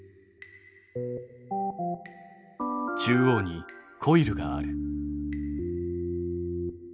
中央にコイルがある。